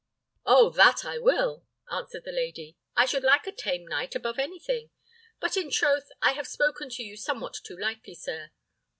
"Oh, that I will!" answered the lady. "I should like a tame knight above anything; but in troth, I have spoken to you somewhat too lightly, sir."